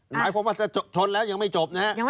หมายความว่าถ้าชนแล้วยังไม่จบนะฮะ